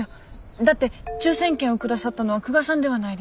だって抽選券を下さったのは久我さんではないですか。